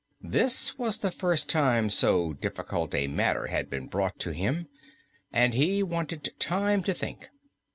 This was the first time so difficult a matter had been brought to him, and he wanted time to think.